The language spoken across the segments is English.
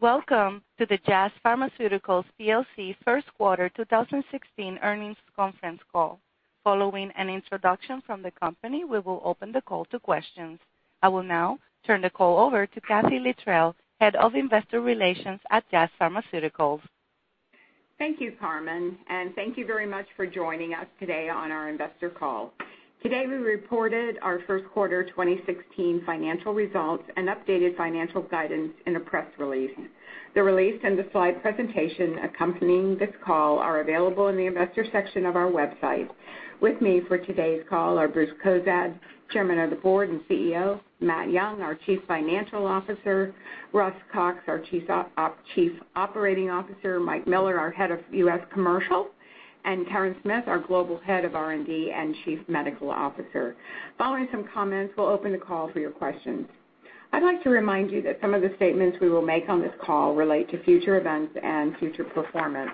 Welcome to the Jazz Pharmaceuticals plc first quarter 2016 earnings conference call. Following an introduction from the company, we will open the call to questions. I will now turn the call over to Kathee Littrell, Head of Investor Relations at Jazz Pharmaceuticals. Thank you, Carmen, and thank you very much for joining us today on our investor call. Today, we reported our first quarter 2016 financial results and updated financial guidance in a press release. The release and the slide presentation accompanying this call are available in the Investor section of our website. With me for today's call are Bruce Cozadd, Chairman of the Board and CEO, Matt Young, our Chief Financial Officer, Russ Cox, our Chief Operating Officer, Mike Miller, our Head of U.S. Commercial, and Karen Smith, our Global Head of R&D and Chief Medical Officer. Following some comments, we'll open the call for your questions. I'd like to remind you that some of the statements we will make on this call relate to future events and future performance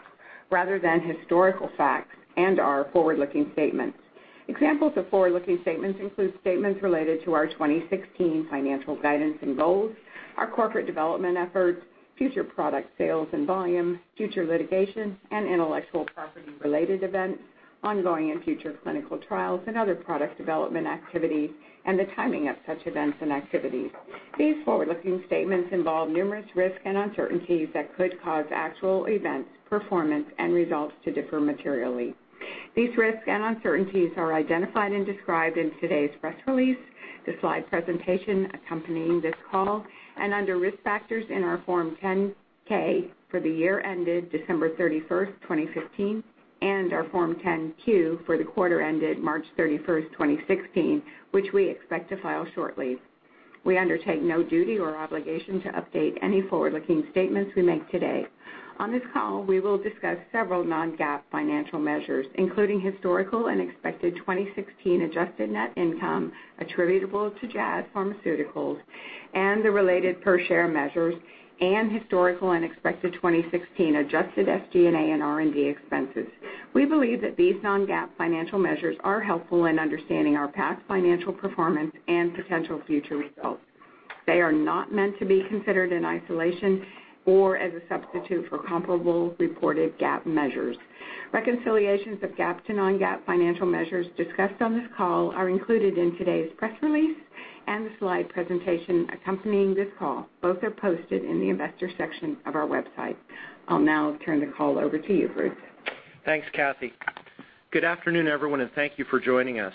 rather than historical facts and are forward-looking statements. Examples of forward-looking statements include statements related to our 2016 financial guidance and goals, our corporate development efforts, future product sales and volumes, future litigation and intellectual property-related events, ongoing and future clinical trials and other product development activities, and the timing of such events and activities. These forward-looking statements involve numerous risks and uncertainties that could cause actual events, performance, and results to differ materially. These risks and uncertainties are identified and described in today's press release, the slide presentation accompanying this call, and under Risk Factors in our Form 10-K for the year ended December 31st, 2015, and our Form 10-Q for the quarter ended March 31st, 2016, which we expect to file shortly. We undertake no duty or obligation to update any forward-looking statements we make today. On this call, we will discuss several non-GAAP financial measures, including historical and expected 2016 adjusted net income attributable to Jazz Pharmaceuticals and the related per share measures and historical and expected 2016 adjusted SG&A and R&D expenses. We believe that these non-GAAP financial measures are helpful in understanding our past financial performance and potential future results. They are not meant to be considered in isolation or as a substitute for comparable reported GAAP measures. Reconciliations of GAAP to non-GAAP financial measures discussed on this call are included in today's press release and the slide presentation accompanying this call. Both are posted in the Investor section of our website. I'll now turn the call over to you, Bruce. Thanks, Kathee. Good afternoon, everyone, and thank you for joining us.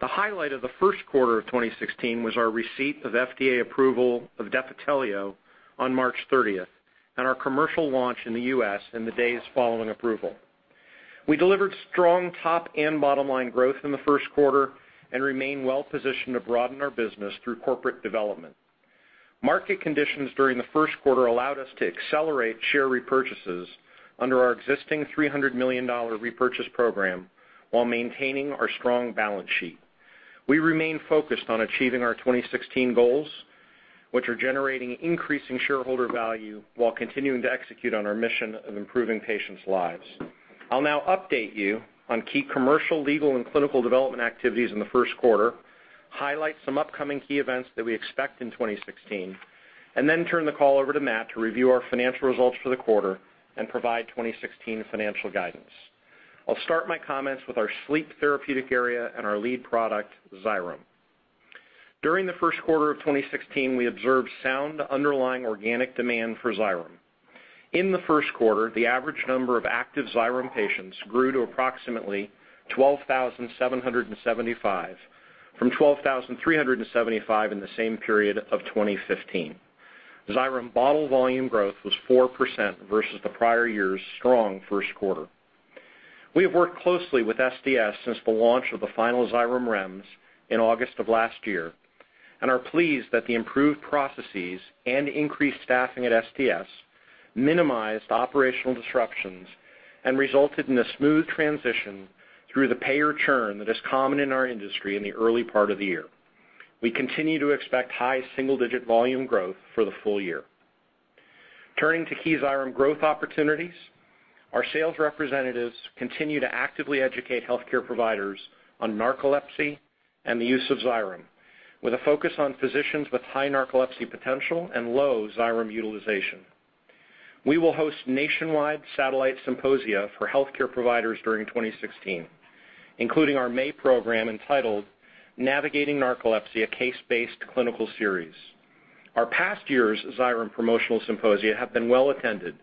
The highlight of the first quarter of 2016 was our receipt of FDA approval of Defitelio on March 30th and our commercial launch in the U.S. in the days following approval. We delivered strong top and bottom line growth in the first quarter and remain well positioned to broaden our business through corporate development. Market conditions during the first quarter allowed us to accelerate share repurchases under our existing $300 million repurchase program while maintaining our strong balance sheet. We remain focused on achieving our 2016 goals, which are generating increasing shareholder value while continuing to execute on our mission of improving patients' lives. I'll now update you on key commercial, legal, and clinical development activities in the first quarter, highlight some upcoming key events that we expect in 2016, and then turn the call over to Matt to review our financial results for the quarter and provide 2016 financial guidance. I'll start my comments with our sleep therapeutic area and our lead product, Xyrem. During the first quarter of 2016, we observed sound underlying organic demand for Xyrem. In the first quarter, the average number of active Xyrem patients grew to approximately 12,775 from 12,375 in the same period of 2015. Xyrem bottle volume growth was 4% versus the prior year's strong first quarter. We have worked closely with SDS since the launch of the final Xyrem REMS in August of last year and are pleased that the improved processes and increased staffing at SDS minimized operational disruptions and resulted in a smooth transition through the payer churn that is common in our industry in the early part of the year. We continue to expect high single-digit volume growth for the full year. Turning to key Xyrem growth opportunities, our sales representatives continue to actively educate healthcare providers on narcolepsy and the use of Xyrem with a focus on physicians with high narcolepsy potential and low Xyrem utilization. We will host nationwide satellite symposia for healthcare providers during 2016, including our May program entitled Navigating Narcolepsy: A Case-Based Clinical Series. Our past years' Xyrem promotional symposia have been well-attended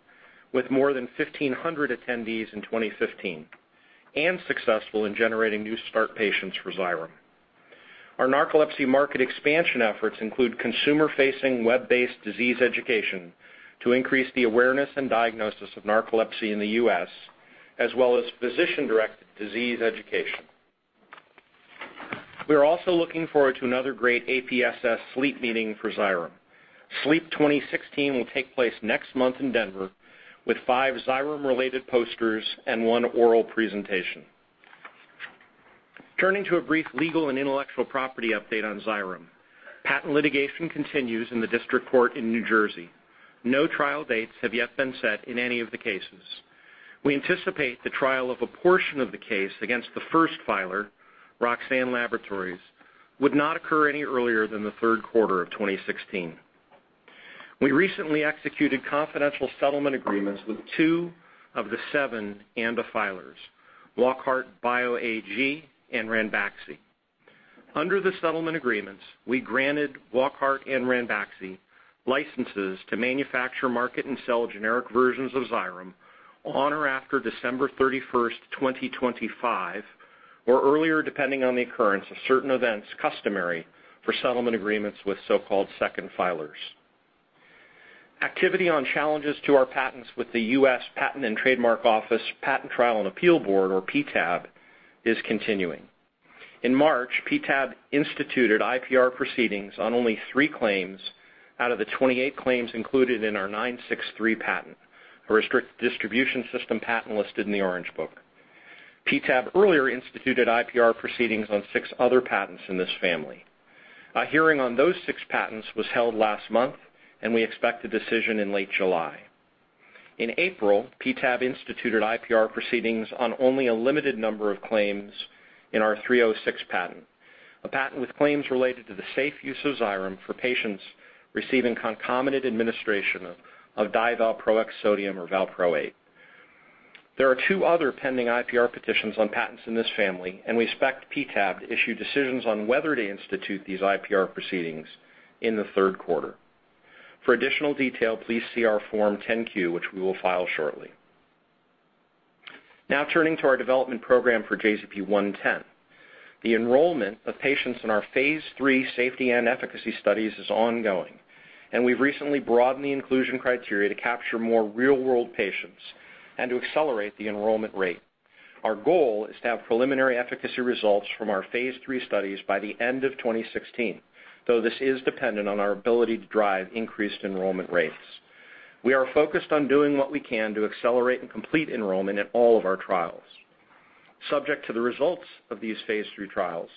with more than 1,500 attendees in 2015 and successful in generating new start patients for Xyrem. Our narcolepsy market expansion efforts include consumer-facing, web-based disease education to increase the awareness and diagnosis of narcolepsy in the U.S. as well as physician-directed disease education. We are also looking forward to another great APSS SLEEP Meeting for Xyrem. SLEEP 2016 will take place next month in Denver with five Xyrem-related posters and one oral presentation. Turning to a brief legal and intellectual property update on Xyrem. Patent litigation continues in the district court in New Jersey. No trial dates have yet been set in any of the cases. We anticipate the trial of a portion of the case against the first filer, Roxane Laboratories, would not occur any earlier than the third quarter of 2016. We recently executed confidential settlement agreements with two of the seven ANDA filers, Wockhardt Bio AG and Ranbaxy. Under the settlement agreements, we granted Wockhardt and Ranbaxy licenses to manufacture, market, and sell generic versions of Xyrem on or after December 31st, 2025, or earlier, depending on the occurrence of certain events customary for settlement agreements with so-called second filers. Activity on challenges to our patents with the U.S. Patent and Trademark Office Patent Trial and Appeal Board, or PTAB, is continuing. In March, PTAB instituted IPR proceedings on only three claims out of the 28 claims included in our '963 patent, a restricted distribution system patent listed in the Orange Book. PTAB earlier instituted IPR proceedings on six other patents in this family. A hearing on those six patents was held last month, and we expect a decision in late July. In April, PTAB instituted IPR proceedings on only a limited number of claims in our '306 patent, a patent with claims related to the safe use of Xyrem for patients receiving concomitant administration of divalproex sodium or valproate. There are two other pending IPR petitions on patents in this family, and we expect PTAB to issue decisions on whether to institute these IPR proceedings in the third quarter. For additional detail, please see our Form 10-Q, which we will file shortly. Now turning to our development program for JZP-110. The enrollment of patients in our phase III safety and efficacy studies is ongoing, and we've recently broadened the inclusion criteria to capture more real-world patients and to accelerate the enrollment rate. Our goal is to have preliminary efficacy results from our phase III studies by the end of 2016, though this is dependent on our ability to drive increased enrollment rates. We are focused on doing what we can to accelerate and complete enrollment in all of our trials. Subject to the results of these phase III trials,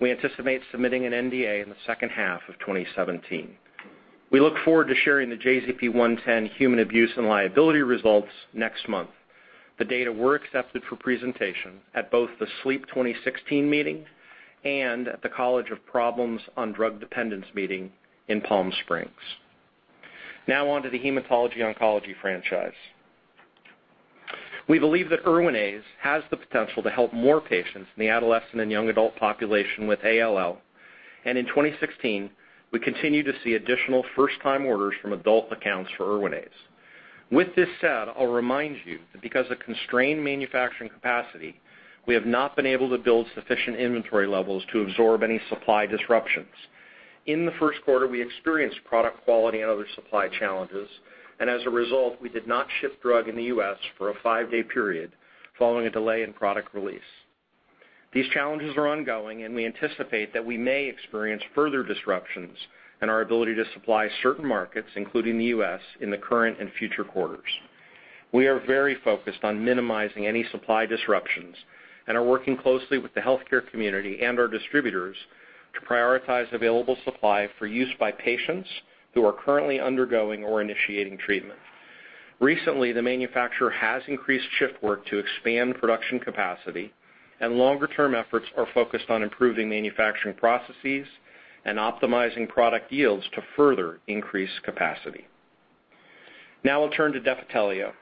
we anticipate submitting an NDA in the second half of 2017. We look forward to sharing the JZP-110 human abuse and liability results next month. The data were accepted for presentation at both the SLEEP 2016 meeting and at the College on Problems of Drug Dependence meeting in Palm Springs. Now on to the Hematology Oncology franchise. We believe that Erwinaze has the potential to help more patients in the adolescent and young adult population with ALL, and in 2016, we continue to see additional first-time orders from adult accounts for Erwinaze. With this said, I'll remind you that because of constrained manufacturing capacity, we have not been able to build sufficient inventory levels to absorb any supply disruptions. In the first quarter, we experienced product quality and other supply challenges, and as a result, we did not ship drug in the U.S. for a 5-day period following a delay in product release. These challenges are ongoing, and we anticipate that we may experience further disruptions in our ability to supply certain markets, including the U.S., in the current and future quarters. We are very focused on minimizing any supply disruptions and are working closely with the healthcare community and our distributors to prioritize available supply for use by patients who are currently undergoing or initiating treatment. Recently, the manufacturer has increased shift work to expand production capacity, and longer-term efforts are focused on improving manufacturing processes and optimizing product yields to further increase capacity. Now I'll turn to Defitelio.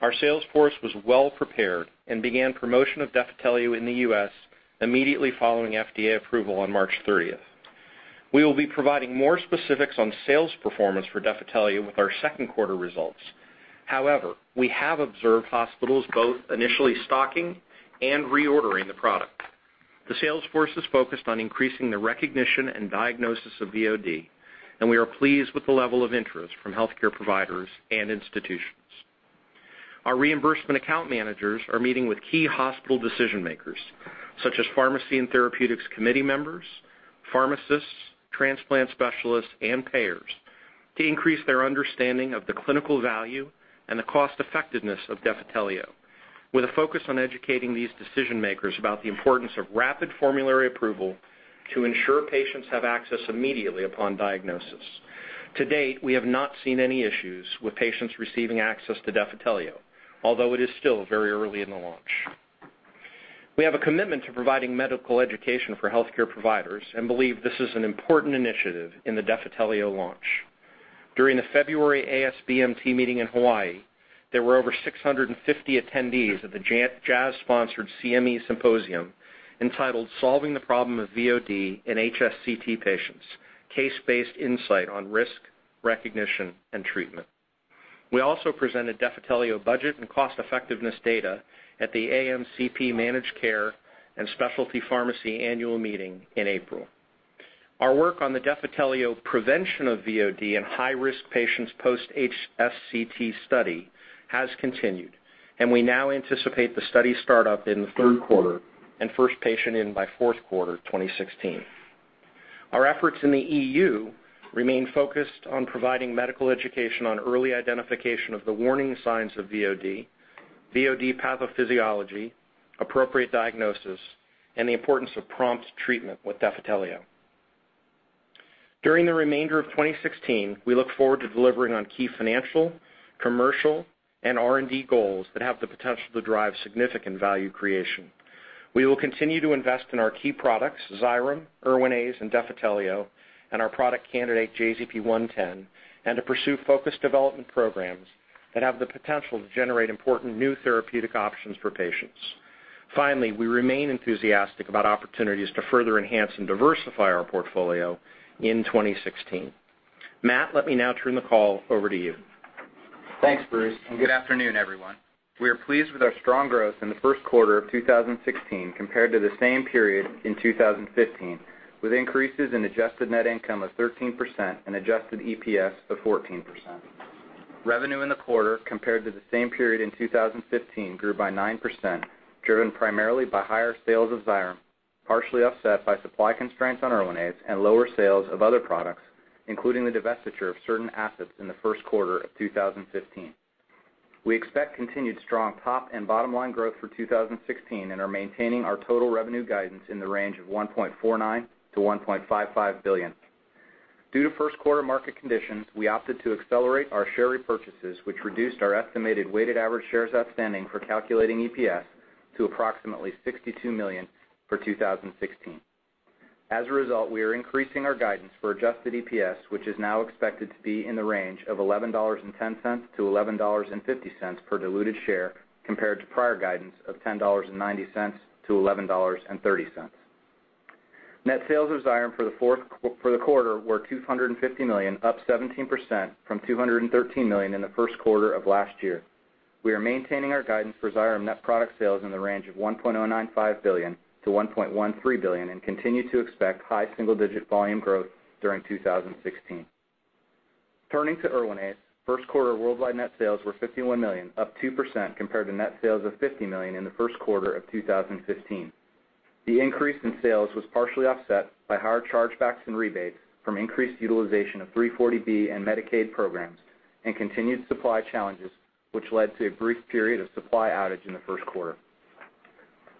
Our sales force was well-prepared and began promotion of Defitelio in the U.S. immediately following FDA approval on March 30th. We will be providing more specifics on sales performance for Defitelio with our second quarter results. However, we have observed hospitals both initially stocking and reordering the product. The sales force is focused on increasing the recognition and diagnosis of VOD, and we are pleased with the level of interest from healthcare providers and institutions. Our reimbursement account managers are meeting with key hospital decision-makers, such as pharmacy and therapeutics committee members, pharmacists, transplant specialists, and payers to increase their understanding of the clinical value and the cost effectiveness of Defitelio with a focus on educating these decision makers about the importance of rapid formulary approval to ensure patients have access immediately upon diagnosis. To date, we have not seen any issues with patients receiving access to Defitelio, although it is still very early in the launch. We have a commitment to providing medical education for healthcare providers and believe this is an important initiative in the Defitelio launch. During the February ASBMT meeting in Hawaii, there were over 650 attendees at the Jazz-sponsored CME symposium entitled Solving the Problem of VOD in HSCT Patients: Case-Based Insight on Risk, Recognition, and Treatment. We also presented Defitelio budget and cost effectiveness data at the AMCP Managed Care and Specialty Pharmacy annual meeting in April. Our work on the Defitelio prevention of VOD in high-risk patients post-HSCT study has continued, and we now anticipate the study start-up in the third quarter and first patient in by fourth quarter 2016. Our efforts in the EU remain focused on providing medical education on early identification of the warning signs of VOD pathophysiology, appropriate diagnosis, and the importance of prompt treatment with Defitelio. During the remainder of 2016, we look forward to delivering on key financial, commercial, and R&D goals that have the potential to drive significant value creation. We will continue to invest in our key products, Xyrem, Erwinaze, and Defitelio, and our product candidate JZP-110, and to pursue focused development programs that have the potential to generate important new therapeutic options for patients. Finally, we remain enthusiastic about opportunities to further enhance and diversify our portfolio in 2016. Matt, let me now turn the call over to you. Thanks, Bruce, and good afternoon, everyone. We are pleased with our strong growth in the first quarter of 2016 compared to the same period in 2015, with increases in adjusted net income of 13% and adjusted EPS of 14%. Revenue in the quarter compared to the same period in 2015 grew by 9%, driven primarily by higher sales of Xyrem, partially offset by supply constraints on Erwinaze and lower sales of other products, including the divestiture of certain assets in the first quarter of 2015. We expect continued strong top and bottom-line growth for 2016 and are maintaining our total revenue guidance in the range of $1.49 billion-$1.55 billion. Due to first quarter market conditions, we opted to accelerate our share repurchases, which reduced our estimated weighted average shares outstanding for calculating EPS to approximately 62 million for 2016. As a result, we are increasing our guidance for adjusted EPS, which is now expected to be in the range of $11.10-$11.50 per diluted share compared to prior guidance of $10.90-$11.30. Net sales of Xyrem for the quarter were $250 million, up 17% from $213 million in the first quarter of last year. We are maintaining our guidance for Xyrem net product sales in the range of $1.095 billion-$1.13 billion and continue to expect high single-digit volume growth during 2016. Turning to Erwinaze, first quarter worldwide net sales were $51 million, up 2% compared to net sales of $50 million in the first quarter of 2015. The increase in sales was partially offset by higher chargebacks and rebates from increased utilization of 340B and Medicaid programs and continued supply challenges, which led to a brief period of supply outage in the first quarter.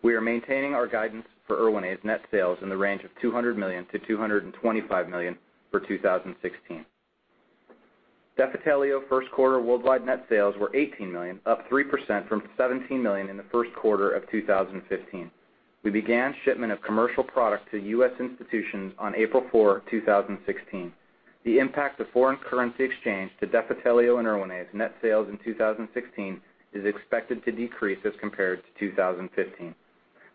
We are maintaining our guidance for Erwinaze net sales in the range of $200 million-$225 million for 2016. Defitelio first quarter worldwide net sales were $18 million, up 3% from $17 million in the first quarter of 2015. We began shipment of commercial product to U.S. institutions on April 4, 2016. The impact of foreign currency exchange to Defitelio and Erwinaze net sales in 2016 is expected to decrease as compared to 2015.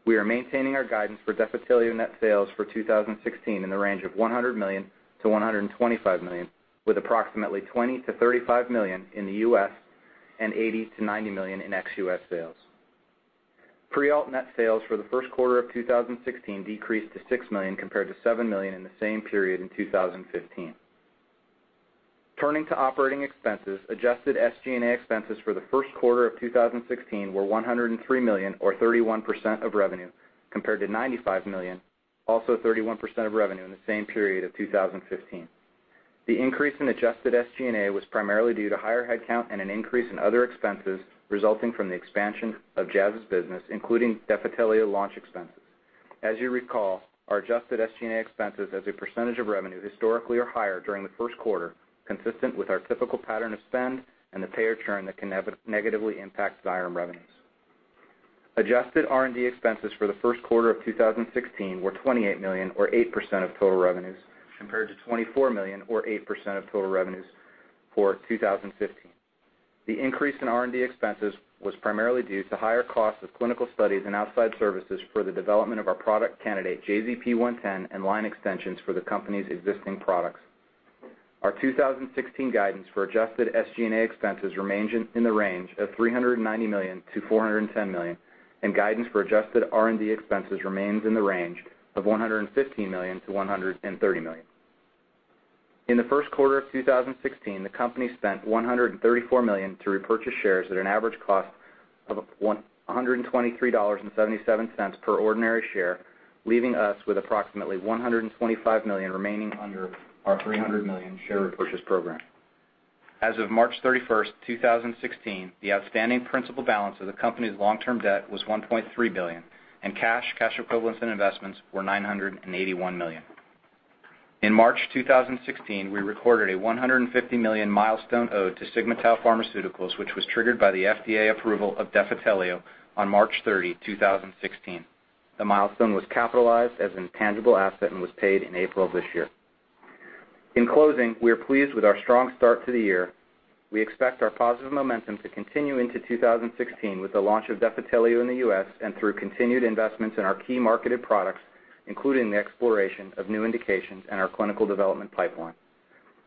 We are maintaining our guidance for Defitelio net sales for 2016 in the range of $100 million-$125 million, with approximately $20 million-$35 million in the U.S. and $80 million-$90 million in ex-U.S. sales. Prialt net sales for the first quarter of 2016 decreased to $6 million compared to $7 million in the same period in 2015. Turning to operating expenses, adjusted SG&A expenses for the first quarter of 2016 were $103 million or 31% of revenue, compared to $95 million, also 31% of revenue in the same period of 2015. The increase in adjusted SG&A was primarily due to higher headcount and an increase in other expenses resulting from the expansion of Jazz's business, including Defitelio launch expenses. As you recall, our adjusted SG&A expenses as a percentage of revenue historically are higher during the first quarter, consistent with our typical pattern of spend and the payer churn that can negatively impact Xyrem revenues. Adjusted R&D expenses for the first quarter of 2016 were $28 million or 8% of total revenues, compared to $24 million or 8% of total revenues for 2015. The increase in R&D expenses was primarily due to higher costs of clinical studies and outside services for the development of our product candidate, JZP-110, and line extensions for the company's existing products. Our 2016 guidance for adjusted SG&A expenses remains in the range of $390 million-$410 million, and guidance for adjusted R&D expenses remains in the range of $115 million-$130 million. In the first quarter of 2016, the company spent $134 million to repurchase shares at an average cost of a $123.77 per ordinary share, leaving us with approximately $125 million remaining under our $300 million share repurchase program. As of March 31st, 2016, the outstanding principal balance of the company's long-term debt was $1.3 billion, and cash equivalents, and investments were $981 million. In March 2016, we recorded a $150 million milestone owed to Sigma-Tau Pharmaceuticals, which was triggered by the FDA approval of Defitelio on March 30, 2016. The milestone was capitalized as an intangible asset and was paid in April of this year. In closing, we are pleased with our strong start to the year. We expect our positive momentum to continue into 2016 with the launch of Defitelio in the U.S. and through continued investments in our key marketed products, including the exploration of new indications in our clinical development pipeline.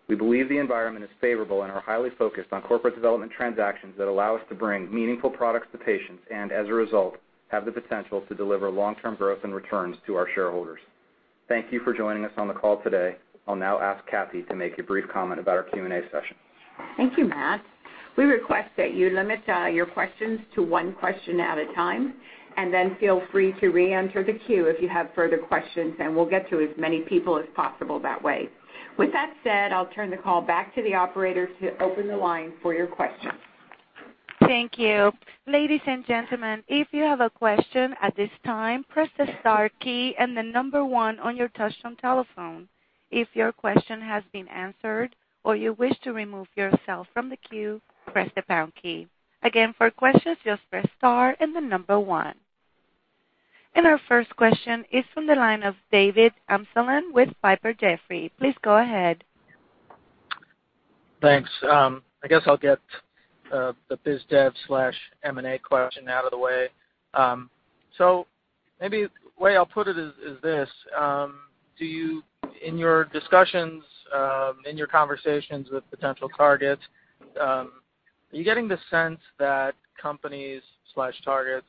We believe the environment is favorable and are highly focused on corporate development transactions that allow us to bring meaningful products to patients and, as a result, have the potential to deliver long-term growth and returns to our shareholders. Thank you for joining us on the call today. I'll now ask Kathee to make a brief comment about our Q&A session. Thank you, Matt. We request that you limit your questions to one question at a time, and then feel free to re-enter the queue if you have further questions, and we'll get to as many people as possible that way. With that said, I'll turn the call back to the operator to open the line for your questions. Thank you. Ladies and gentlemen, if you have a question at this time, press the star key and the number one on your touchtone telephone. If your question has been answered or you wish to remove yourself from the queue, press the pound key. Again, for questions, just press star and the number one. Our first question is from the line of David Amsellem with Piper Jaffray. Please go ahead. Thanks. I guess I'll get the biz dev/M&A question out of the way. So maybe the way I'll put it is this, do you, in your discussions, in your conversations with potential targets, are you getting the sense that companies/targets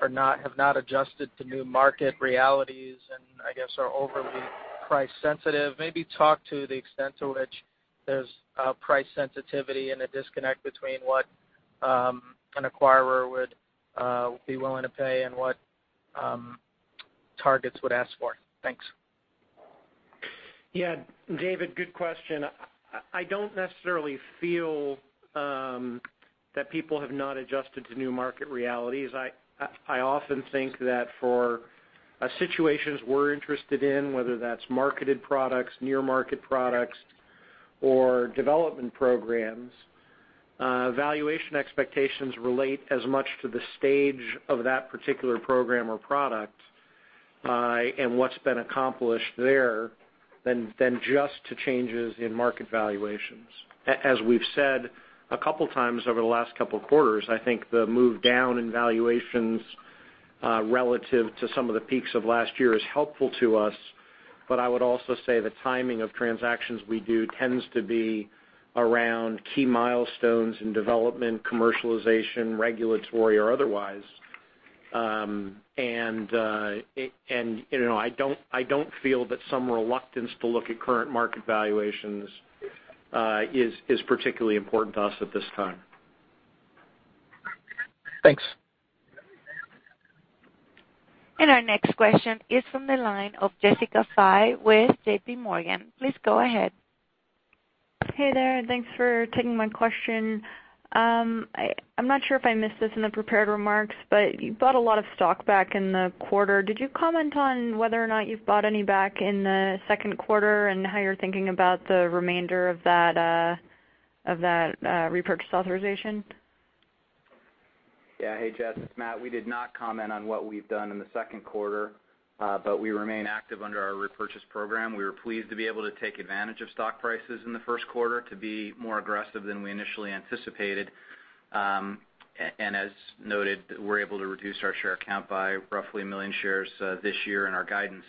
have not adjusted to new market realities and, I guess, are overly price sensitive? Maybe talk to the extent to which there's price sensitivity and a disconnect between what an acquirer would be willing to pay and what targets would ask for. Thanks. Yeah. David, good question. I don't necessarily feel that people have not adjusted to new market realities. I often think that for situations we're interested in, whether that's marketed products, near market products, or development programs, valuation expectations relate as much to the stage of that particular program or product, and what's been accomplished there than just to changes in market valuations. As we've said a couple times over the last couple quarters, I think the move down in valuations, relative to some of the peaks of last year is helpful to us, but I would also say the timing of transactions we do tends to be around key milestones in development, commercialization, regulatory or otherwise. You know, I don't feel that some reluctance to look at current market valuations is particularly important to us at this time. Thanks. Our next question is from the line of Jessica Fye with JPMorgan. Please go ahead. Hey there. Thanks for taking my question. I'm not sure if I missed this in the prepared remarks, but you bought a lot of stock back in the quarter. Did you comment on whether or not you've bought any back in the second quarter and how you're thinking about the remainder of that repurchase authorization? Hey, Jess, it's Matt. We did not comment on what we've done in the second quarter, but we remain active under our repurchase program. We were pleased to be able to take advantage of stock prices in the first quarter to be more aggressive than we initially anticipated. And as noted, we're able to reduce our share count by roughly 1 million shares this year in our guidance.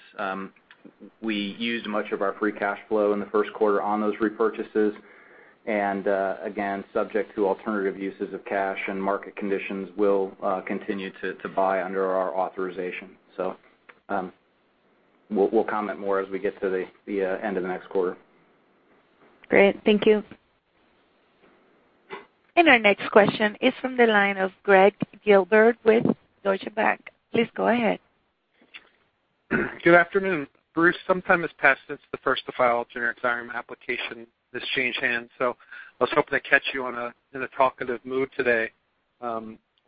We used much of our free cash flow in the first quarter on those repurchases, and again, subject to alternative uses of cash and market conditions, we'll continue to buy under our authorization. We'll comment more as we get to the end of the next quarter. Great. Thank you. Our next question is from the line of Gregg Gilbert with Deutsche Bank. Please go ahead. Good afternoon. Bruce, some time has passed since the first to file generic Xyrem application has changed hands, so I was hoping to catch you in a talkative mood today.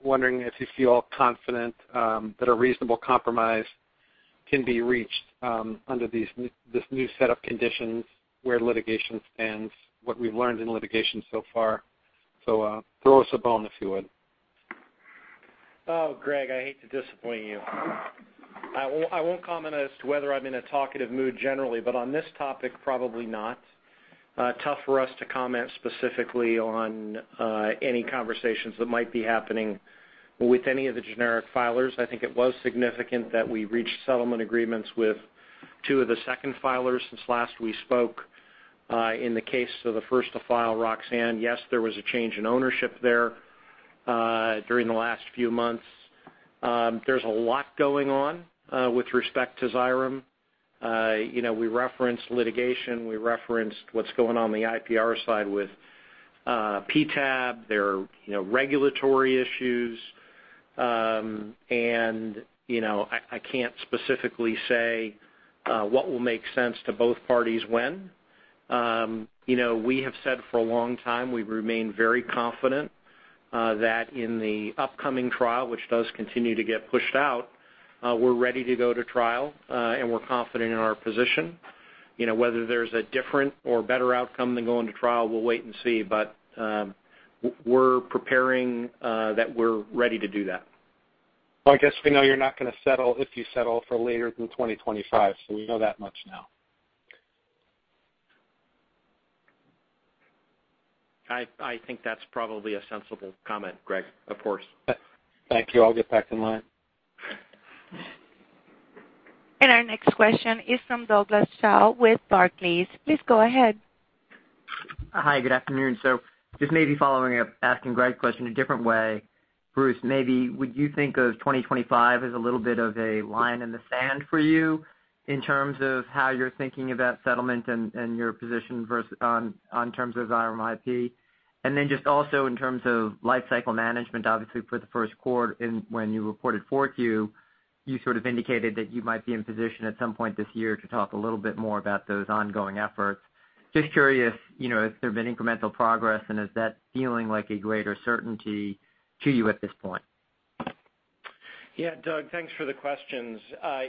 Wondering if you feel confident that a reasonable compromise can be reached under this new set of conditions, where litigation stands, what we've learned in litigation so far. Throw us a bone, if you would. Oh, Gregg, I hate to disappoint you. I won't comment as to whether I'm in a talkative mood generally, but on this topic, probably not. Tough for us to comment specifically on any conversations that might be happening with any of the generic filers. I think it was significant that we reached settlement agreements with two of the second filers since last we spoke. In the case of the first to file Roxane, yes, there was a change in ownership there during the last few months. There's a lot going on with respect to Xyrem. You know, we referenced litigation. We referenced what's going on in the IPR side with PTAB. There are, you know, regulatory issues. You know, I can't specifically say what will make sense to both parties when. You know, we have said for a long time we remain very confident that in the upcoming trial, which does continue to get pushed out, we're ready to go to trial, and we're confident in our position. You know, whether there's a different or better outcome than going to trial, we'll wait and see. We're preparing that we're ready to do that. Well, I guess we know you're not gonna settle, if you settle, for later than 2025, so we know that much now. I think that's probably a sensible comment, Gregg, of course. Thank you. I'll get back in line. Our next question is from Douglas Tsao with Barclays. Please go ahead. Hi. Good afternoon. Just maybe following up, asking Gregg's question a different way. Bruce, maybe would you think of 2025 as a little bit of a line in the sand for you in terms of how you're thinking about settlement and your position on terms of Xyrem IP? And then just also in terms of life cycle management, obviously for the first quarter when you reported 4Q, you sort of indicated that you might be in position at some point this year to talk a little bit more about those ongoing efforts. Just curious, you know, if there have been incremental progress and is that feeling like a greater certainty to you at this point? Yeah. Doug, thanks for the questions.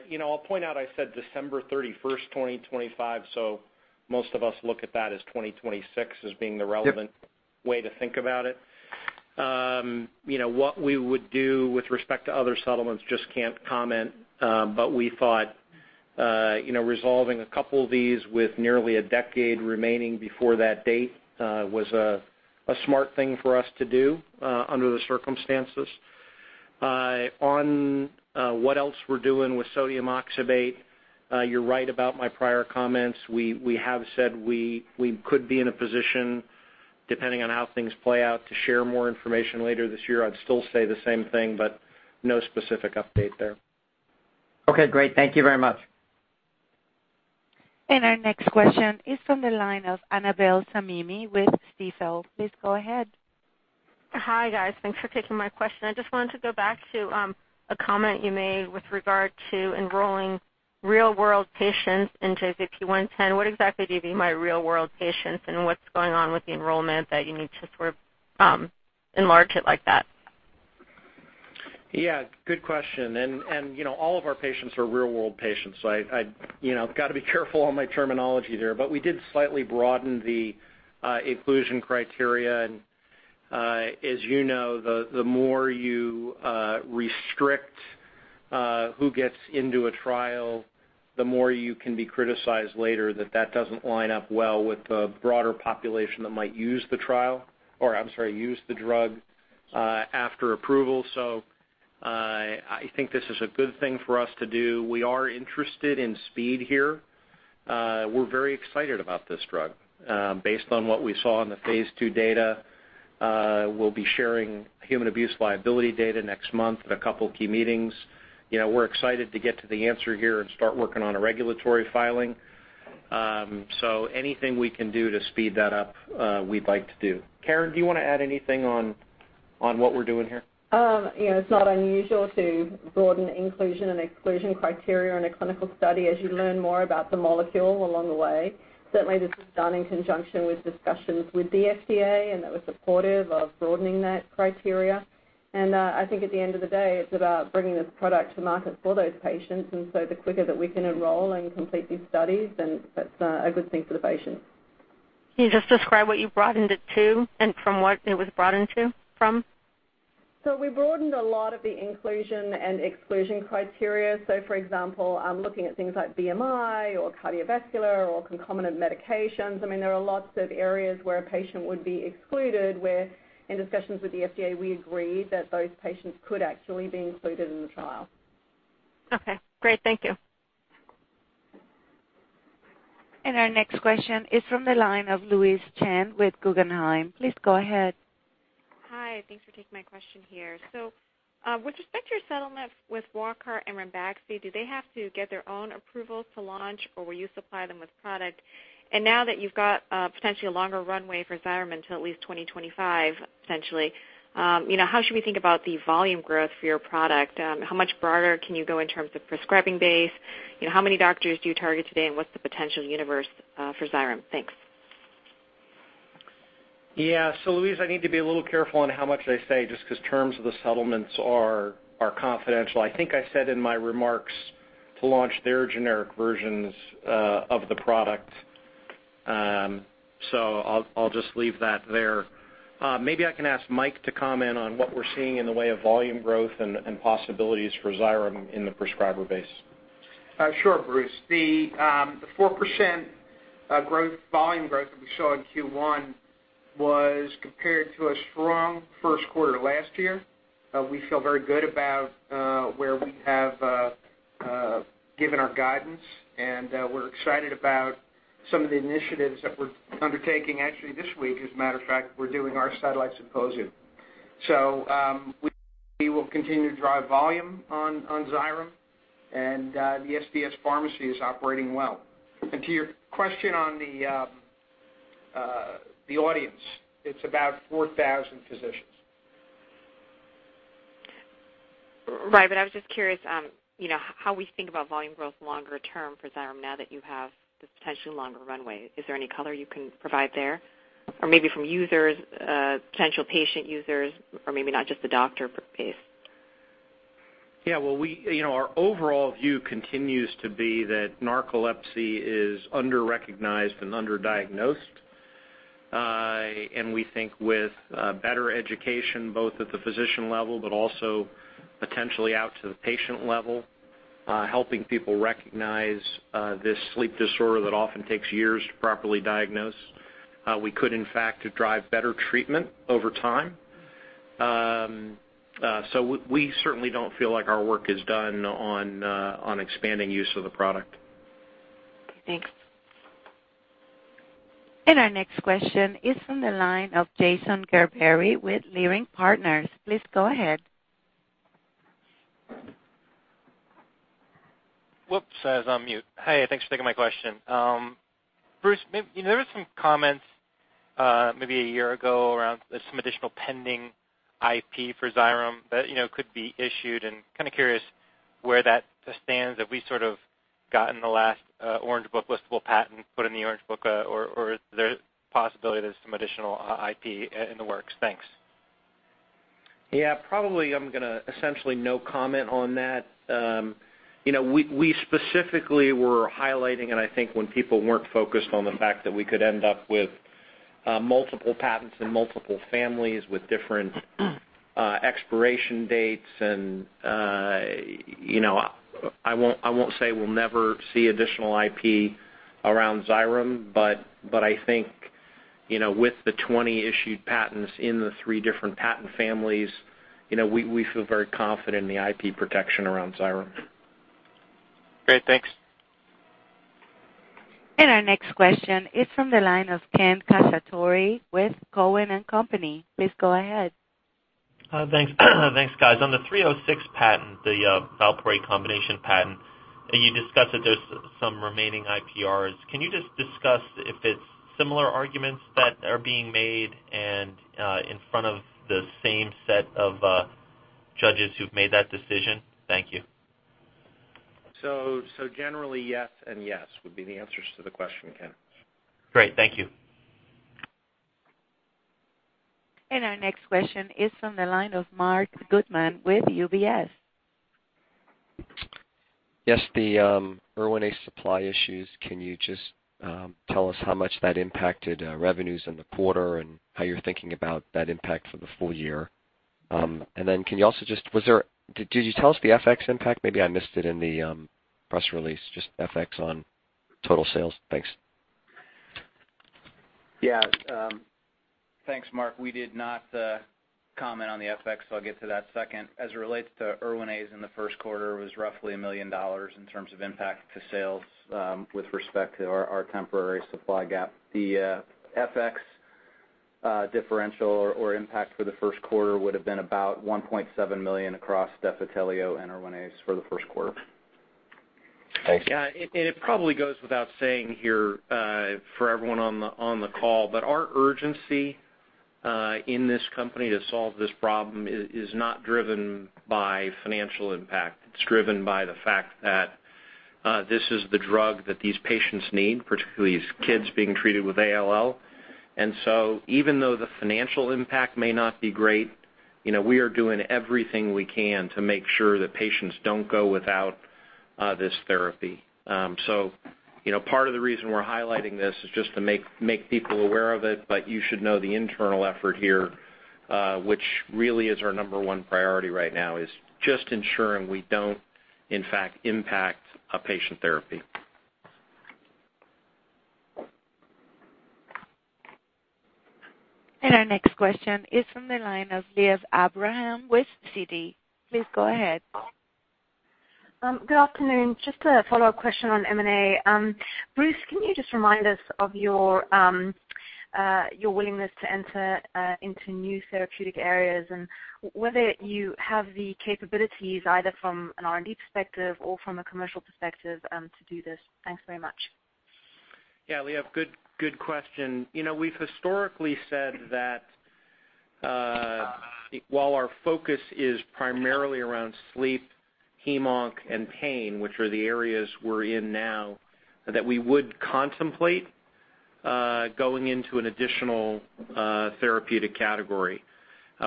You know, I'll point out, I said December 31st, 2025, so most of us look at that as 2026 as being the relevant- Yep.... way to think about it. You know, what we would do with respect to other settlements, just can't comment. We thought, you know, resolving a couple of these with nearly a decade remaining before that date, was a smart thing for us to do, under the circumstances. On what else we're doing with sodium oxybate, you're right about my prior comments. We have said we could be in a position, depending on how things play out, to share more information later this year. I'd still say the same thing, but no specific update there. Okay, great. Thank you very much. Our next question is from the line of Annabel Samimy with Stifel. Please go ahead. Hi, guys. Thanks for taking my question. I just wanted to go back to a comment you made with regard to enrolling real-world patients in JZP-110. What exactly do you mean by real-world patients, and what's going on with the enrollment that you need to sort, enlarge it like that? Yeah, good question. You know, all of our patients are real-world patients. You know, I got to be careful on my terminology there. We did slightly broaden the inclusion criteria. As you know, the more you restrict who gets into a trial, the more you can be criticized later that that doesn't line up well with the broader population that might use the trial or I'm sorry, use the drug after approval. I think this is a good thing for us to do. We are interested in speed here. We're very excited about this drug. Based on what we saw in the phase II data, we'll be sharing human abuse liability data next month at a couple of key meetings. You know, we're excited to get to the answer here and start working on a regulatory filing. Anything we can do to speed that up, we'd like to do. Karen, do you wanna add anything on what we're doing here? You know, it's not unusual to broaden inclusion and exclusion criteria in a clinical study as you learn more about the molecule along the way. Certainly, this was done in conjunction with discussions with the FDA, and they were supportive of broadening that criteria. I think at the end of the day, it's about bringing this product to market for those patients. The quicker that we can enroll and complete these studies, then that's a good thing for the patients. Can you just describe what you broadened it to and from what it was broadened to from? We broadened a lot of the inclusion and exclusion criteria. For example, looking at things like BMI or cardiovascular or concomitant medications, I mean, there are lots of areas where a patient would be excluded, where in discussions with the FDA, we agreed that those patients could actually be included in the trial. Okay, great. Thank you. Our next question is from the line of Louise Chen with Guggenheim. Please go ahead. Hi, thanks for taking my question here. With respect to your settlement with Wockhardt and Ranbaxy, do they have to get their own approvals to launch, or will you supply them with product? Now that you've got potentially a longer runway for Xyrem until at least 2025, essentially you know, how should we think about the volume growth for your product? How much broader can you go in terms of prescribing base? You know, how many doctors do you target today, and what's the potential universe for Xyrem? Thanks. Yeah. Louise, I need to be a little careful on how much I say just 'cause terms of the settlements are confidential. I think I said in my remarks to launch their generic versions of the product. I'll just leave that there. Maybe I can ask Mike to comment on what we're seeing in the way of volume growth and possibilities for Xyrem in the prescriber base. Sure, Bruce. The 4% volume growth that we saw in Q1 was compared to a strong first quarter last year. We feel very good about where we have given our guidance, and we're excited about some of the initiatives that we're undertaking actually this week. As a matter of fact, we're doing our satellite symposium. We will continue to drive volume on Xyrem, and the SDS pharmacy is operating well. To your question on the audience, it's about 4,000 physicians. Right. I was just curious, you know, how we think about volume growth longer term for Xyrem now that you have this potentially longer runway. Is there any color you can provide there? Or maybe from users, potential patient users, or maybe not just the doctor base. Yeah. Well, you know, our overall view continues to be that narcolepsy is under-recognized and under-diagnosed. We think with better education, both at the physician level but also potentially out to the patient level, helping people recognize this sleep disorder that often takes years to properly diagnose, we could in fact drive better treatment over time. We certainly don't feel like our work is done on expanding use of the product. Thanks. Our next question is from the line of Jason Gerberry with Leerink Partners. Please go ahead. Whoops, I was on mute. Hey, thanks for taking my question. Bruce, there were some comments, maybe a year ago around some additional pending IP for Xyrem that, you know, could be issued and kinda curious where that stands. Have we sort of gotten the last Orange Book listable patent put in the Orange Book, or is there a possibility there's some additional IP in the works? Thanks. Yeah, probably I'm gonna essentially no comment on that. You know, we specifically were highlighting, and I think when people weren't focused on the fact that we could end up with multiple patents and multiple families with different expiration dates and you know, I won't say we'll never see additional IP around Xyrem, but I think, you know, with the 20 issued patents in the three different patent families, you know, we feel very confident in the IP protection around Xyrem. Great. Thanks. Our next question is from the line of Ken Cacciatore with Cowen and Company. Please go ahead. Thanks. Thanks, guys. On the '306 patent, the valproic combination patent, you discussed that there's some remaining IPRs. Can you just discuss if it's similar arguments that are being made and in front of the same set of judges who've made that decision? Thank you. Generally yes and yes would be the answers to the question, Ken. Great. Thank you. Our next question is from the line of Marc Goodman with UBS. Yes, the Erwinaze supply issues, can you just tell us how much that impacted revenues in the quarter and how you're thinking about that impact for the full year? Did you tell us the FX impact? Maybe I missed it in the press release, just FX on total sales. Thanks. Thanks, Marc. We did not comment on the FX, so I'll get to that second. As it relates to Erwinaze in the first quarter, it was roughly $1 million in terms of impact to sales, with respect to our temporary supply gap. The FX differential or impact for the first quarter would have been about $1.7 million across Defitelio and Erwinaze for the first quarter. Thanks. It probably goes without saying here for everyone on the call, but our urgency in this company to solve this problem is not driven by financial impact. It's driven by the fact that this is the drug that these patients need, particularly these kids being treated with ALL. Even though the financial impact may not be great, you know, we are doing everything we can to make sure that patients don't go without this therapy. You know, part of the reason we're highlighting this is just to make people aware of it, but you should know the internal effort here, which really is our number one priority right now is just ensuring we don't in fact impact a patient therapy. Our next question is from the line of Liav Abraham with Citi. Please go ahead. Good afternoon. Just a follow-up question on M&A. Bruce, can you just remind us of your willingness to enter into new therapeutic areas and whether you have the capabilities either from an R&D perspective or from a commercial perspective to do this? Thanks very much. Yeah, Liav, good question. You know, we've historically said that, while our focus is primarily around sleep, hem/onc and pain, which are the areas we're in now, that we would contemplate going into an additional therapeutic category.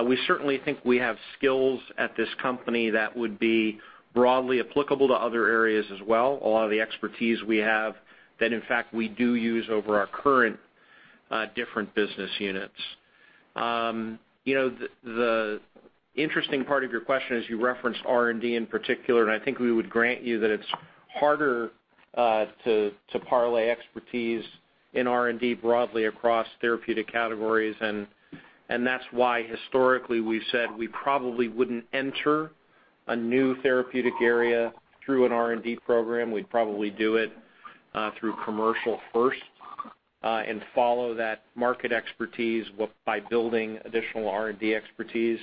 We certainly think we have skills at this company that would be broadly applicable to other areas as well. A lot of the expertise we have that in fact we do use over our current different business units. You know, the interesting part of your question is you referenced R&D in particular, and I think we would grant you that it's harder to parlay expertise in R&D broadly across therapeutic categories, and that's why historically we said we probably wouldn't enter a new therapeutic area through an R&D program. We'd probably do it through commercial first, and follow that market expertise by building additional R&D expertise.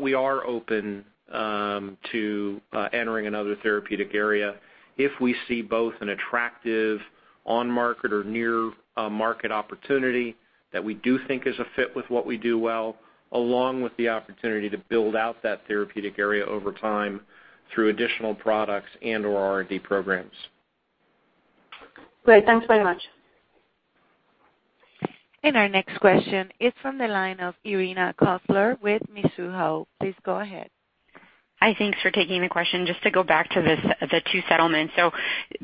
We are open to entering another therapeutic area if we see both an attractive on-market or near market opportunity that we do think is a fit with what we do well, along with the opportunity to build out that therapeutic area over time through additional products and/or R&D programs. Great. Thanks very much. Our next question is from the line of Irina Koffler with Mizuho. Please go ahead. Thanks for taking the question. Just to go back to this, the two settlements.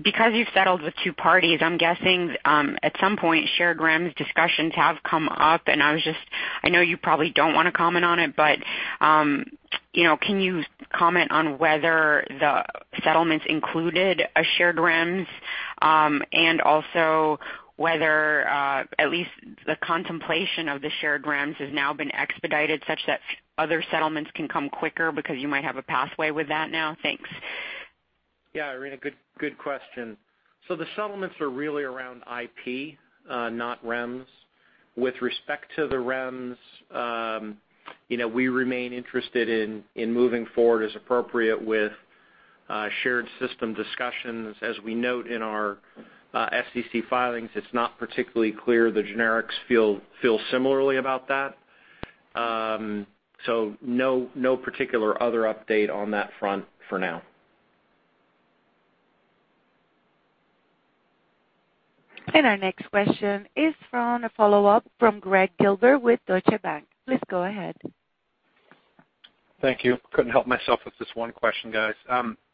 Because you've settled with two parties, I'm guessing, at some point, shared REMS discussions have come up, and I know you probably don't wanna comment on it, but you know, can you comment on whether the settlements included a shared REMS, and also whether at least the contemplation of the shared REMS has now been expedited such that other settlements can come quicker because you might have a pathway with that now? Thanks. Yeah, Irina, good question. The settlements are really around IP, not REMS. With respect to the REMS, you know, we remain interested in moving forward as appropriate with shared system discussions. As we note in our SEC filings, it's not particularly clear the generics feel similarly about that. No particular other update on that front for now. Our next question is from a follow-up from Gregg Gilbert with Deutsche Bank. Please go ahead. Thank you. Couldn't help myself with this one question, guys.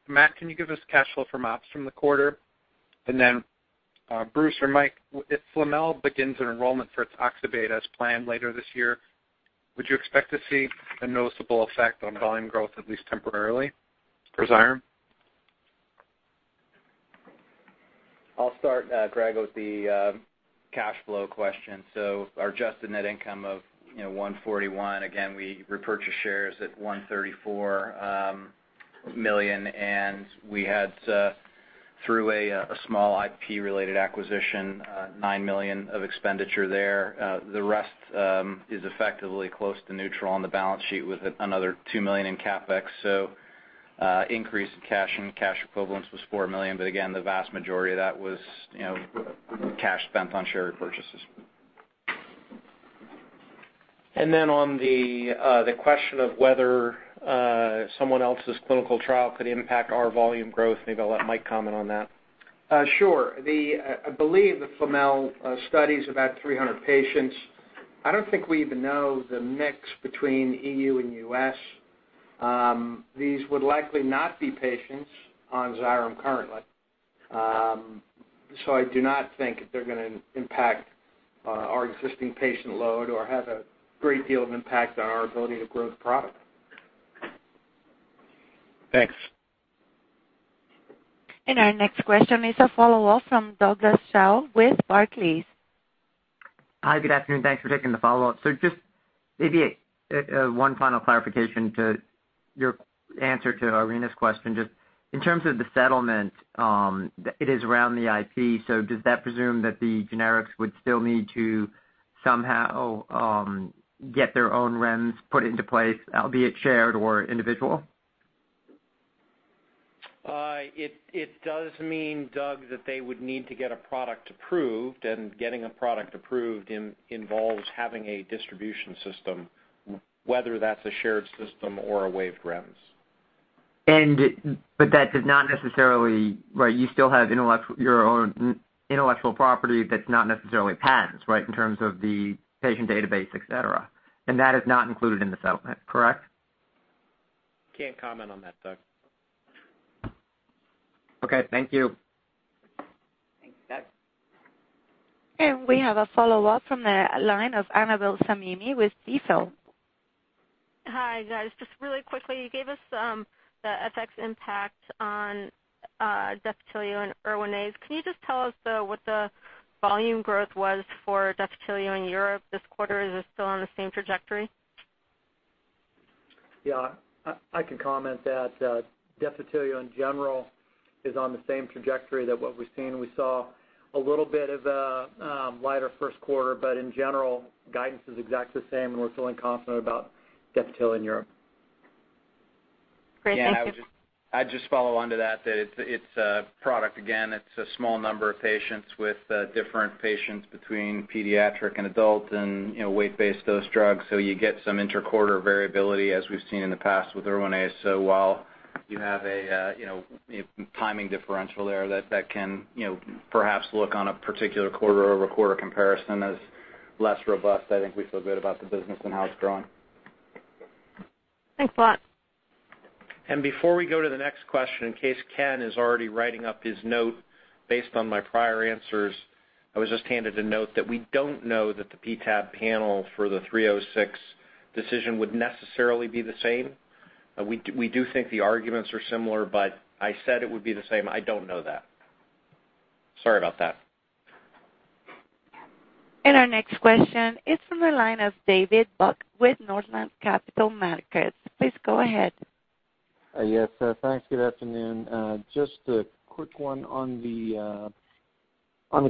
Matt, can you give us cash flow from ops from the quarter? And then, Bruce or Mike, if Flamel begins an enrollment for its oxybate as planned later this year, would you expect to see a noticeable effect on volume growth at least temporarily for Xyrem? I'll start, Gregg, with the cash flow question. Our adjusted net income of, you know, $141 million. Again, we repurchased shares at $134 million, and we had two through a small IP-related acquisition, $9 million of expenditure there. The rest is effectively close to neutral on the balance sheet with another $2 million in CapEx. Increase in cash and cash equivalents was $4 million. Again, the vast majority of that was, you know, cash spent on share repurchases. On the question of whether someone else's clinical trial could impact our volume growth, maybe I'll let Mike comment on that. I believe the Flamel study is about 300 patients. I don't think we even know the mix between EU and U.S. These would likely not be patients on Xyrem currently. I do not think that they're gonna impact our existing patient load or have a great deal of impact on our ability to grow the product. Thanks. Our next question is a follow-up from Douglas Tsao with Barclays. Hi, good afternoon. Thanks for taking the follow-up. Just maybe one final clarification to your answer to Irina's question. Just in terms of the settlement, it is around the IP, so does that presume that the generics would still need to somehow get their own REMS put into place, albeit shared or individual? It does mean, Doug, that they would need to get a product approved, and getting a product approved involves having a distribution system, whether that's a shared system or a waived REMS. That does not necessarily. Right, you still have your own intellectual property that's not necessarily patents, right? In terms of the patient database, et cetera. That is not included in the settlement, correct? Can't comment on that, Doug. Okay, thank you. Thanks, Doug. We have a follow-up from the line of Annabel Samimy with Stifel. Hi, guys. Just really quickly, you gave us the FX impact on Defitelio and Erwinaze. Can you just tell us what the volume growth was for Defitelio in Europe this quarter? Is it still on the same trajectory? Yeah. I can comment that Defitelio in general is on the same trajectory that what we've seen. We saw a little bit of a lighter first quarter. In general, guidance is exactly the same, and we're feeling confident about Defitelio in Europe. Great. Thank you. Yeah. I'd just follow on to that it's a product again, it's a small number of patients with different patients between pediatric and adult and, you know, weight-based dose drugs. You get some inter-quarter variability as we've seen in the past with Erwinaze. While you have a, you know, a timing differential there that can, you know, perhaps look on a particular quarter-over-quarter comparison as less robust. I think we feel good about the business and how it's growing. Thanks a lot. Before we go to the next question, in case Ken is already writing up his note based on my prior answers, I was just handed a note that we don't know that the PTAB panel for the '306 decision would necessarily be the same. We do think the arguments are similar, but I said it would be the same, I don't know that. Sorry about that. Our next question is from the line of David Buck with Northland Capital Markets. Please go ahead. Yes, thanks. Good afternoon. Just a quick one on the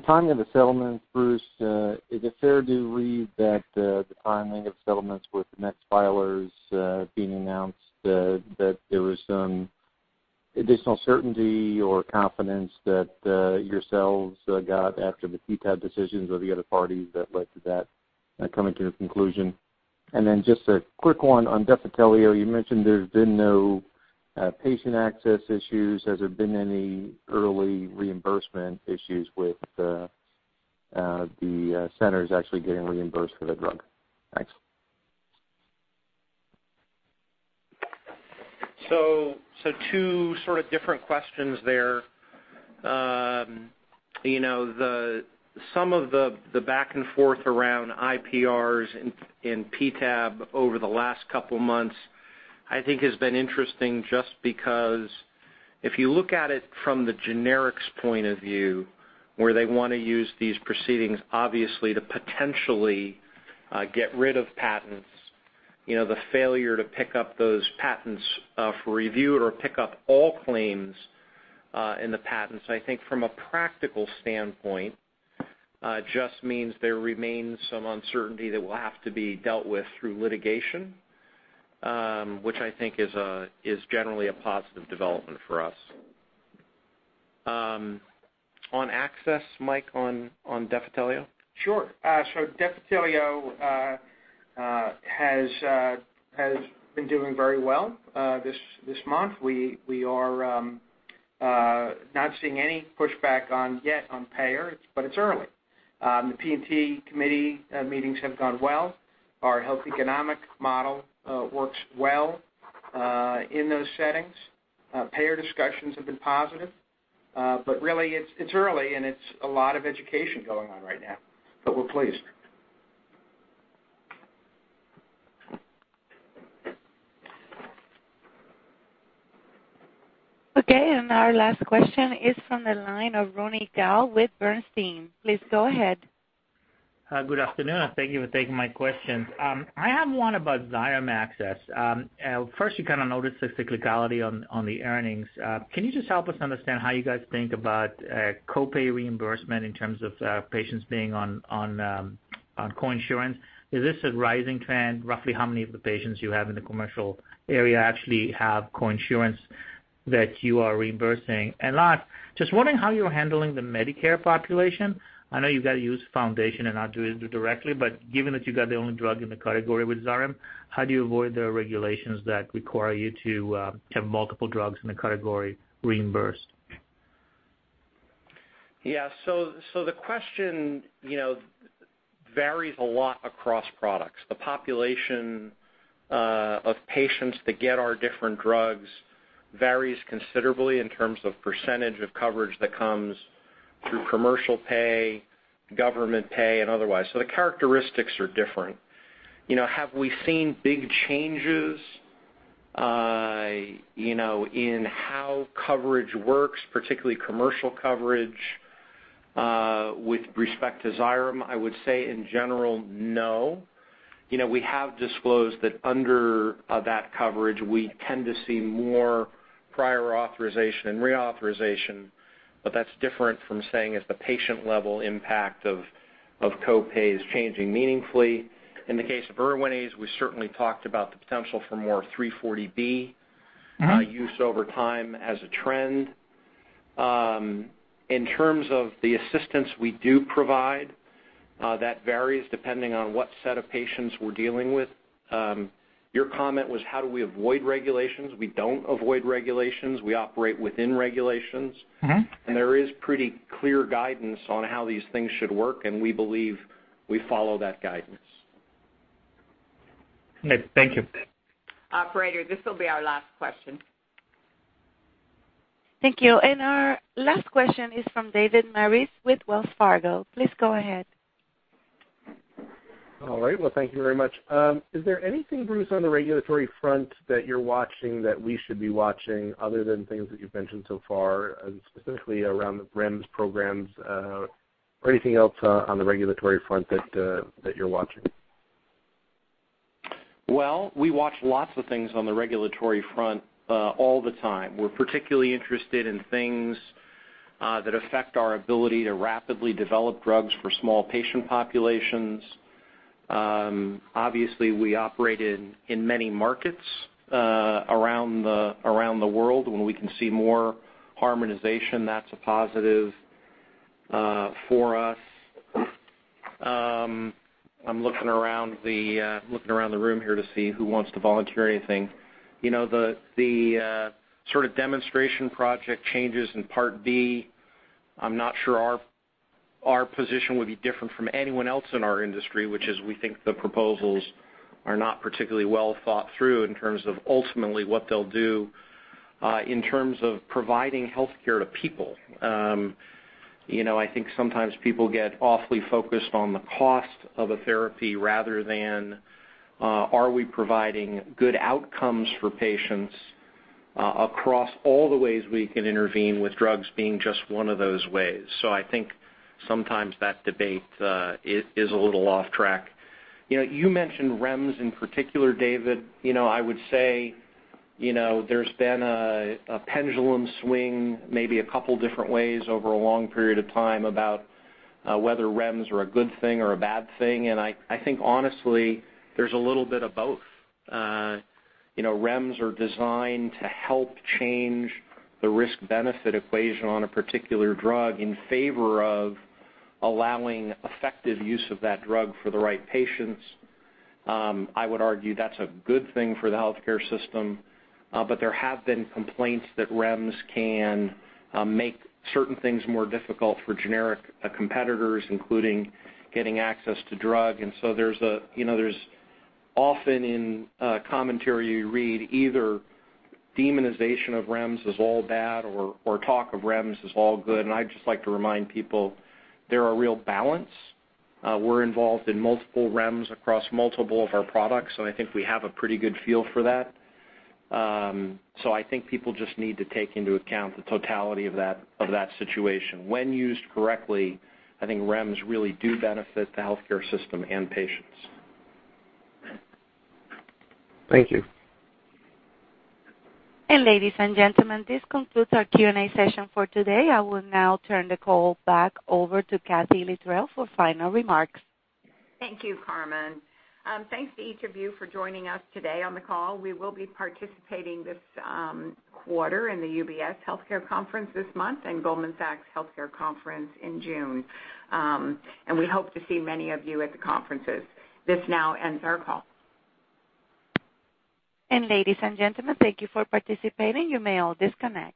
timing of the settlement, Bruce. Is it fair to read that the timing of settlements with next filers being announced that there was some additional certainty or confidence that yourselves got after the PTAB decisions or the other parties that led to that coming to your conclusion? Just a quick one on Defitelio. You mentioned there's been no patient access issues. Has there been any early reimbursement issues with the centers actually getting reimbursed for the drug? Thanks. Two sort of different questions there. You know, some of the back and forth around IPRs and PTAB over the last couple months, I think has been interesting just because if you look at it from the generics point of view, where they wanna use these proceedings obviously to potentially get rid of patents. You know, the failure to pick up those patents for review or pick up all claims in the patents. I think from a practical standpoint just means there remains some uncertainty that will have to be dealt with through litigation, which I think is generally a positive development for us. On access, Mike, on Defitelio. Sure. Defitelio has been doing very well this month. We are not seeing any pushback yet on payer, but it's early. The P&T committee meetings have gone well. Our health economic model works well in those settings. Payer discussions have been positive. Really it's early and it's a lot of education going on right now, but we're pleased. Okay, our last question is from the line of Ronny Gal with Bernstein. Please go ahead. Hi, good afternoon, and thank you for taking my question. I have one about Xyrem access. First, you kinda noticed the cyclicality on the earnings. Can you just help us understand how you guys think about co-pay reimbursement in terms of patients being on co-insurance? Is this a rising trend? Roughly how many of the patients you have in the commercial area actually have co-insurance that you are reimbursing? Last, just wondering how you are handling the Medicare population. I know you gotta use foundation and not do it directly, but given that you got the only drug in the category with Xyrem, how do you avoid the regulations that require you to have multiple drugs in the category reimbursed? Yeah. The question, you know, varies a lot across products. The population of patients that get our different drugs varies considerably in terms of percentage of coverage that comes through commercial pay, government pay, and otherwise. The characteristics are different. You know, have we seen big changes, you know, in how coverage works, particularly commercial coverage, with respect to Xyrem? I would say in general, no. You know, we have disclosed that under that coverage, we tend to see more prior authorization and reauthorization, but that's different from saying if the patient level impact of co-pay is changing meaningfully. In the case of Erwinaze, we certainly talked about the potential for more 340B- Mm-hmm.... use over time as a trend. In terms of the assistance we do provide, that varies depending on what set of patients we're dealing with. Your comment was how do we avoid regulations? We don't avoid regulations. We operate within regulations. Mm-hmm. There is pretty clear guidance on how these things should work, and we believe we follow that guidance. Okay, thank you. Operator, this will be our last question. Thank you. Our last question is from David Maris with Wells Fargo. Please go ahead. All right, well, thank you very much. Is there anything, Bruce, on the regulatory front that you're watching that we should be watching other than things that you've mentioned so far, and specifically around the REMS programs, or anything else on the regulatory front that you're watching? Well, we watch lots of things on the regulatory front, all the time. We're particularly interested in things that affect our ability to rapidly develop drugs for small patient populations. Obviously, we operate in many markets around the world. When we can see more harmonization, that's a positive for us. I'm looking around the room here to see who wants to volunteer anything. You know, the sort of demonstration project changes in Part B, I'm not sure our position would be different from anyone else in our industry, which is we think the proposals are not particularly well thought through in terms of ultimately what they'll do in terms of providing healthcare to people. You know, I think sometimes people get awfully focused on the cost of a therapy rather than are we providing good outcomes for patients across all the ways we can intervene with drugs being just one of those ways. I think sometimes that debate is a little off track. You know, you mentioned REMS in particular, David. You know, I would say, you know, there's been a pendulum swing maybe a couple different ways over a long period of time about whether REMS are a good thing or a bad thing. I think honestly, there's a little bit of both. You know, REMS are designed to help change the risk-benefit equation on a particular drug in favor of allowing effective use of that drug for the right patients. I would argue that's a good thing for the healthcare system, but there have been complaints that REMS can make certain things more difficult for generic competitors, including getting access to drug. You know, there's often in commentary you read either demonization of REMS is all bad or talk of REMS is all good. I'd just like to remind people there are real balance. We're involved in multiple REMS across multiple of our products, so I think we have a pretty good feel for that. I think people just need to take into account the totality of that situation. When used correctly, I think REMS really do benefit the healthcare system and patients. Thank you. Ladies and gentlemen, this concludes our Q&A session for today. I will now turn the call back over to Kathee Littrell for final remarks. Thank you, Carmen. Thanks to each of you for joining us today on the call. We will be participating this quarter in the UBS Global Healthcare Conference this month and Goldman Sachs Global Healthcare Conference in June. We hope to see many of you at the conferences. This now ends our call. Ladies and gentlemen, thank you for participating. You may all disconnect.